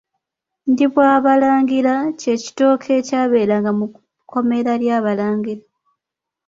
Ndiibwabalangira kye kitooke ekyabeeranga mu kkomera ly’Abalangira.